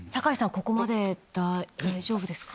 ここまで大丈夫ですか？